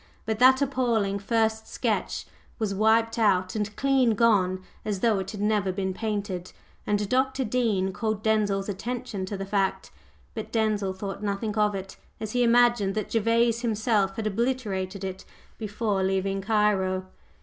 But that appalling "first sketch" was wiped out and clean gone as though it had never been painted, and Dr. Dean called Denzil's attention to the fact. But Denzil thought nothing of it, as he imagined that Gervase himself had obliterated it before leaving Cairo.